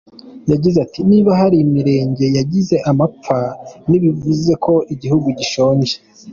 Yagize ati “Niba hari imirenge yagize amapfa ntibivuze ko igihugu gishonje.